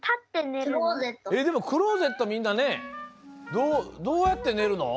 えっでもクローゼットみんなねどうやって寝るの？